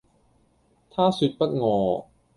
她說不餓